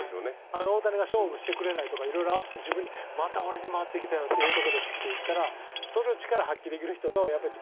大谷が勝負してくれないとかいろいろあってまた俺に回ってきたよええとこでっていったらそれを力発揮できる人とやっぱりちょっと硬くなって。